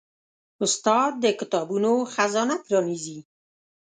استاد د کتابونو خزانه پرانیزي.